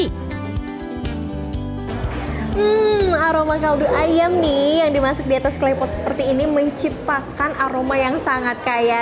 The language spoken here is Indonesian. hmm aroma kaldu ayam nih yang dimasak di atas klepot seperti ini menciptakan aroma yang sangat kaya